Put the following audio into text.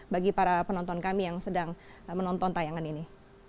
bagi para penonton kami yang sedang menonton tayangan ini